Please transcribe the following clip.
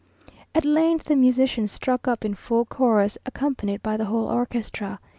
At length the musicians struck up in full chorus, accompanied by the whole orchestra.